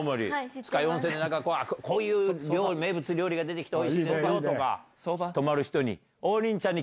酸ヶ湯温泉で、こういう料理、名物料理が出てきておいしいのがあるとか、泊まる人に。